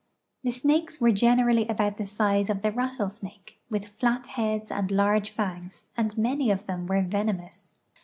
The snakes were generally about the size of the rattlesnake, with flat heads and large fangs, and many of them were venomous.